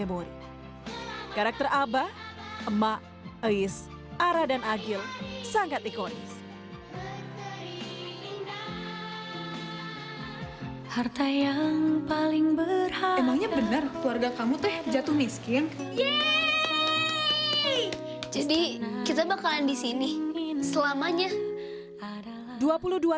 jadi kita bakalan di sini selamanya